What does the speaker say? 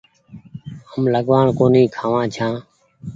هم لڳوآڻ ڪونيٚ کآوآن ڇآن